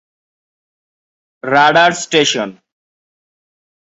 Radar station.